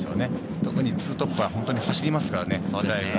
特に２トップは走りますからね。